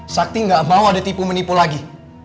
sakti gak mau ada tipu menipu lagi